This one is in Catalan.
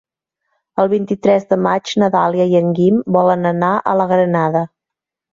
El vint-i-tres de maig na Dàlia i en Guim volen anar a la Granada.